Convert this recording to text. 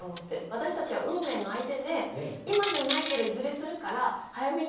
私たちは運命の相手で今じゃないけどいずれするから。